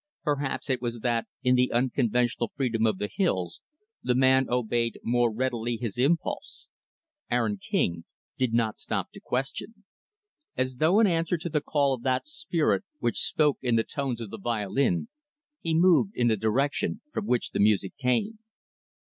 Perhaps it was that, in the unconventional freedom of the hills, the man obeyed more readily his impulse. Aaron King did not stop to question. As though in answer to the call of that spirit which spoke in the tones of the violin, he moved in the direction from which the music came.